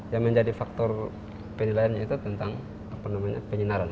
yang menjadi faktor penilaiannya itu tentang penyinaran